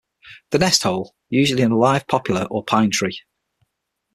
The nest hole, usually in a live poplar or pine tree.